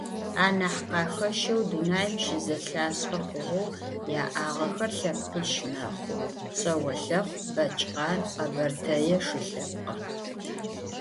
Анахь къахэщэу, дунаим щызэлъашӏэ хъугъэу яӏагъэхэр лъэпкъищ мэхъу: шъэолъэхъу, бэчкъан, къэбэртэе шы лъэпкъыр.